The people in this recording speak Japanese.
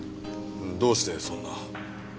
どうしてそんな？